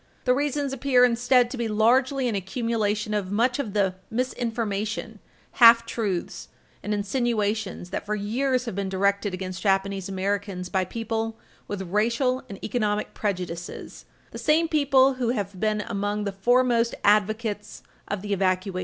The reasons appear, instead, to be largely an accumulation of much of the misinformation, half truths and insinuations that for years have been directed against Japanese Americans by people with racial and economic prejudices the same people who have been among the foremost advocates of the evacuation.